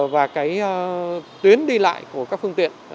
và cái tuyến đi lại của các phương tiện